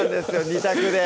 ２択で！